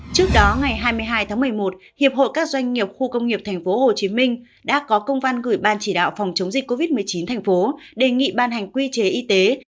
trước đó ngày hai mươi hai tháng một mươi một hiệp hội các doanh nghiệp khu công nghiệp thành phố hồ chí minh đã có công văn gửi ban chỉ đạo phòng chống dịch covid một mươi chín thành phố đề nghị ban hành quy chế y tế